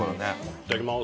いただきます。